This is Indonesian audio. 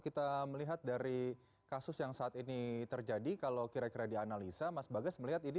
kita melihat dari kasus yang saat ini terjadi kalau kira kira dianalisa mas bagas melihat ini